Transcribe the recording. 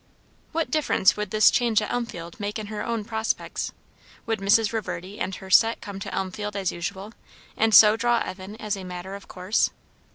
What difference would this change at Elmfield make in her own prospects? Would Mrs. Reverdy and her set come to Elmfield as usual, and so draw Evan as a matter of course?